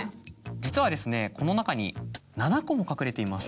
実はこの中に７個も隠れています。